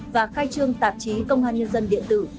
và khai trương tạp chí công an nhân dân điện tử